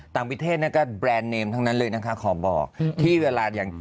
ประเทศนั้นก็แบรนด์เนมทั้งนั้นเลยนะคะขอบอกที่เวลาอย่าง